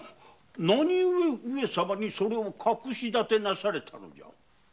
なにゆえ上様にそれを隠しだてなされたのじゃ？